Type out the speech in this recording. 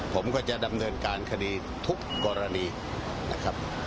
ผมก็จะดำเนินการคดีทุกกรณีนะครับ